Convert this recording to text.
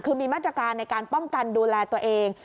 คือมีมาตรการในการป้องกันดูแลตัวเอง